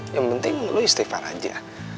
yang penting lo istighfar aja